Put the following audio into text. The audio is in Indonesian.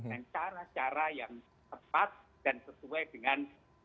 dengan cara cara yang tepat dan sesuai dengan